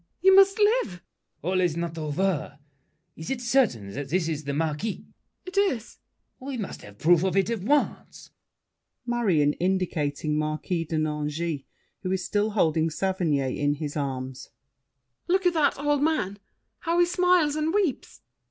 You must live— LAFFEMAS. All's not over. Is it certain that this is the Marquis? MARION. It is. LAFFEMAS. We must have proof of it at once. MARION (indicating Marquis de Nangis, who is still holding Saverny in his arms). Look at that old man, how he smiles and weeps! LAFFEMAS.